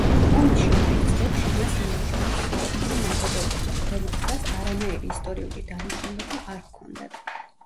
ომის შემდეგ წლებში მას მიუშენეს საოფისე ნაგებობები, რომელსაც არანაირი ისტორიული დანიშნულება არ ჰქონდათ.